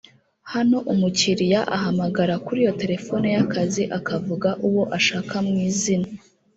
Hano umukiliya ahamagara kuri iyo terefone y’akazi akavuga uwo ashaka mu izina